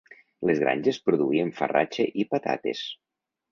Les granges produïen farratge i patates.